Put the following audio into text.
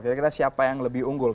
kira kira siapa yang lebih unggul